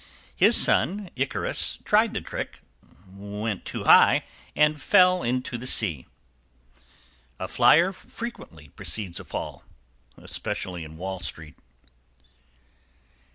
His son, Icarus, tried the trick, went too high and fell into the sea. =A flier frequently precedes a fall especially in Wall Street.